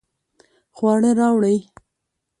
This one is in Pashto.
خواړه راوړئ